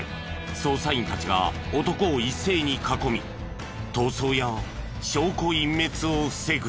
捜査員たちが男を一斉に囲み逃走や証拠隠滅を防ぐ。